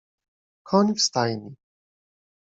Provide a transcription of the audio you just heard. Koń w stajni.